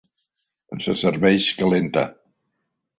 Se serveix calenta.